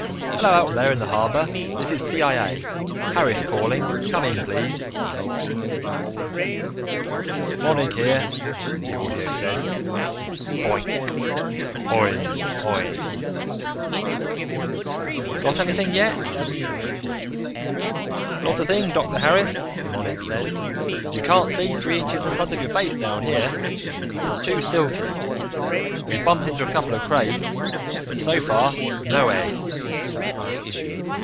"Hello, out there in the harbor. This is CIA, Harris calling. Come in, please." "Monig here," the audio said. Boink ... oing, oing ... "Got anything yet?" "Not a thing, Dr. Harris," Monig said. "You can't see three inches in front of your face down here it's too silty. We've bumped into a couple of crates, but so far, no egg."